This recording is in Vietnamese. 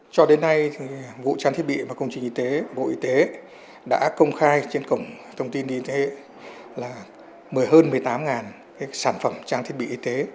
cho đến nay vụ trang thiết bị và công trình y tế bộ y tế đã công khai trên cổng thông tin y tế là một mươi hơn một mươi tám sản phẩm trang thiết bị y tế